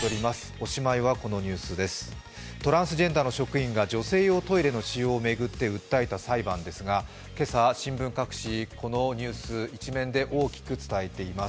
おしまいはこのニュースです、トランスジェンダーの女性が女性用トイレの使用を巡って訴えた裁判ですが今朝新聞各紙、このニュース、１面で大きく伝えています。